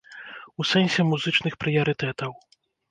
У сэнсе музычных прыярытэтаў.